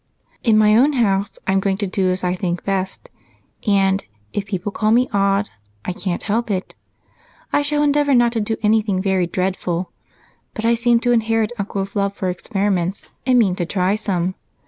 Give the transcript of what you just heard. "In my own house I'm going to do as I think best, and if people call me odd, I can't help it. I shall endeavor not to do anything very dreadful, but I seem to inherit Uncle's love for experiments and mean to try some.